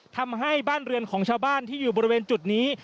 ทำให้บ้านเรือนของชาวบ้านที่อยู่บริเวณจุดนี้